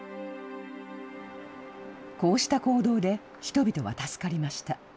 こうした行動で人々は助かりました。